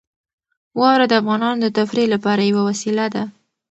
واوره د افغانانو د تفریح لپاره یوه وسیله ده.